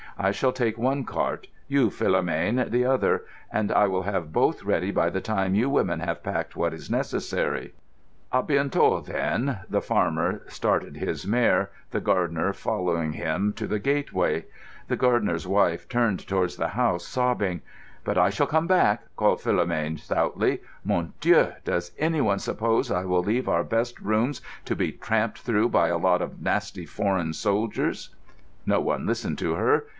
I shall take one cart; you, Philomène, the other; and I will have both ready by the time you women have packed what is necessary." "A bientôt, then!" The farmer started his mare, the gardener following him to the gateway. The gardener's wife turned towards the house, sobbing. "But I shall come back," called Philomène stoutly. "Mon Dieu, does anyone suppose I will leave our best rooms to be tramped through by a lot of nasty foreign soldiers!" No one listened to her.